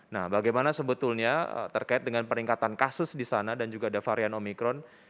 nah bagaimana sebetulnya terkait dengan peningkatan kasus di sana dan juga ada varian omikron